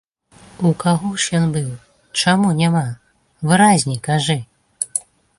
У каго ж ён быў, чаму няма, выразней кажы.